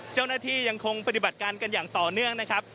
ยังคงปฏิบัติการกันอย่างต่อเนื่องนะครับ